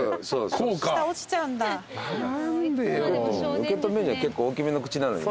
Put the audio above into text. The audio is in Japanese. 受け止めるには結構大きめの口なのにね。